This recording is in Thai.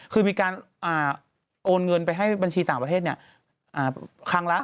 คือมีการโอนเงินไปให้บัญชีต่างประเทศครั้งละ